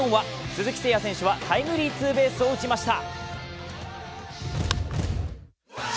鈴木誠也選手はタイムリーツーベースを打ちました。